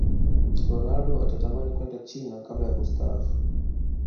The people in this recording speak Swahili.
ronaldo atatamani kwenda china kabla ya kustaafu